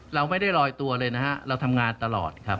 เราไม่ได้ลอยตัวเลยนะฮะเราทำงานตลอดครับ